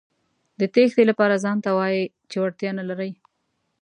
د تېښتې لپاره ځانته وايئ چې وړتیا نه لرئ.